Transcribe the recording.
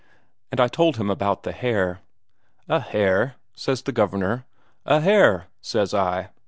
And I told him about the hare. 'A hare?' says the Governor. 'A hare,' says I.